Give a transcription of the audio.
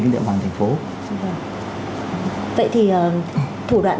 cái địa bàn thành phố vậy thì thủ đoạn